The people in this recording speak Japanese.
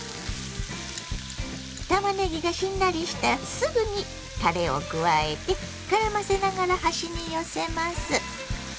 たまねぎがしんなりしたらすぐにたれを加えてからませながら端に寄せます。